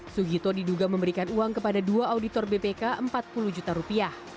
sugito diduga memberikan uang kepada dua auditor bpk empat puluh juta rupiah